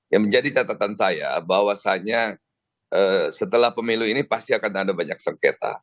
yang menjadi catatan saya bahwasannya setelah pemilu ini pasti akan ada banyak sengketa